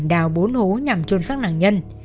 đào bốn hố nhằm trôn sắc nạn nhân